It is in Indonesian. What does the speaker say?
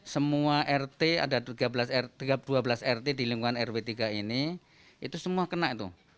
semua rt ada dua belas rt di lingkungan rw tiga ini itu semua kena itu